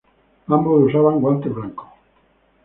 Ambos usaban guantes blancos.